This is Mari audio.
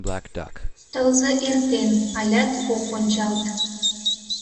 Тылзе эртен, алят ок ончалт.